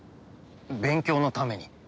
勉強のために。